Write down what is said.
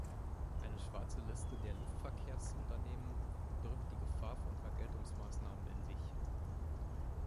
Eine schwarze Liste der Luftverkehrsunternehmen birgt die Gefahr von Vergeltungsmaßnahmen in sich.